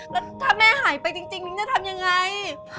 แล้วถ้าแม่หายไปจริงนิ้งจะทำยังไง